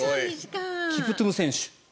キプトゥム選手。